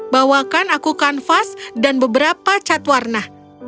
bawakan aku kanvas dan beberapa cat warna